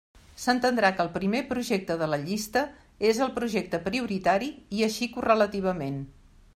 S'entendrà que el primer projecte de la llista és el projecte prioritari i així correlativament.